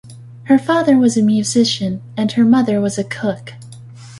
Her father was a musician and her mother was a cook.